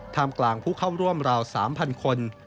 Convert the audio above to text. มกลางผู้เข้าร่วมราว๓๐๐คน